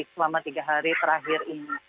selama tiga hari terakhir ini